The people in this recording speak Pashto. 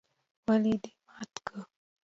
ولې دي مات که؟؟